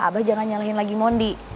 abah jangan nyalahin lagi mondi